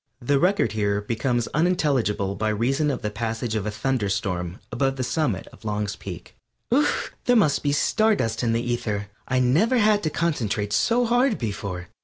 (The record here becomes unintelligible by reason of the passage of a thunderstorm above the summit of Long's Peak.) There must be star dust in the ether. I never had to concentrate so hard before.